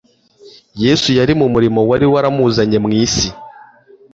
Yesu yari mu murimo wari waramuzanye mu isi